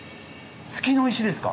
月の石ですか？